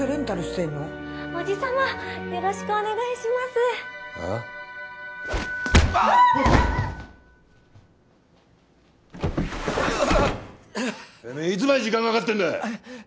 てめえいつまで時間かかってんだ！